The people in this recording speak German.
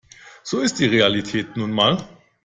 So ist die Realität nun mal.